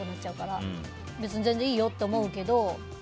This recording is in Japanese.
別に全然いいよって思うけど。